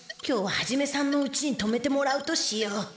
今日はハジメさんの家にとめてもらうとしよう。